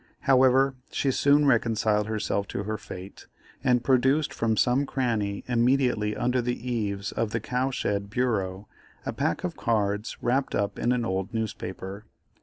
However, she soon reconciled herself to her fate, and produced from some cranny immediately under the eaves of the cow shed bureau, a pack of cards wrapped up in an old newspaper.